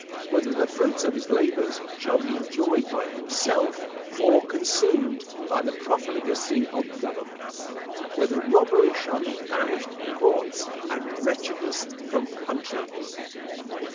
Whether the fruits of his labours shall be enjoyed by himself or consumed by the profligacy of governments? Whether robbery shall be banished from courts, and wretchedness from countries?